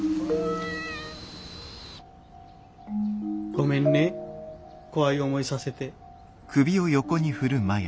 ごめんね怖い思いさせて。